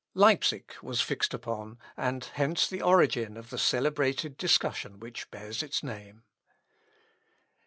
Leipsic was fixed upon, and hence the origin of the celebrated discussion which bears its name.